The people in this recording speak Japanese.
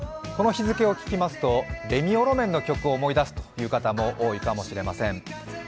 この日付を聞きますとレミオロメンの曲を思い出すという方も多いかもしれません。